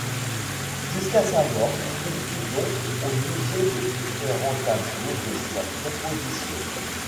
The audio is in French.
Jusqu'à sa mort, il fit don au musée de différents tableaux de sa composition.